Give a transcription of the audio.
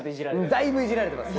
だいぶイジられてます